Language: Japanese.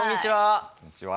こんにちは。